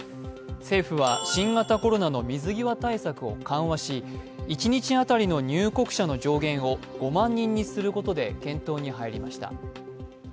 政府は新型コロナの水際対策を緩和し一日当たりの入国者の上限を５万人にすることで検討に入りました。